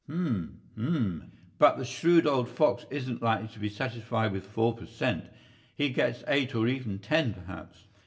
Hm hm! But the shrewd old fox isn't likely to be satisfied with four per cent. He gets eight or even ten, perhaps.